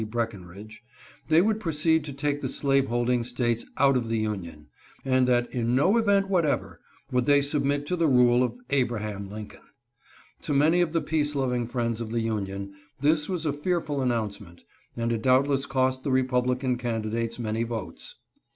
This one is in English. Breckenridge) they would proceed to take the slaveholding States out of the Union, and that, in no event whatever, would they submit to the rule of Abraham Lincoln. To many of the peace loving friends of the Union, this was a fearful announce ment, and it doubtless cost the Republican candidates many votes.